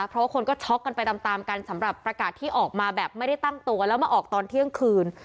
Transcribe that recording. เพราะว่าคนก็ช็อกกันไปตามตามกันสำหรับประกาศที่ออกมาแบบไม่ได้ตั้งตัวแล้วมาออกตอนเที่ยงคืน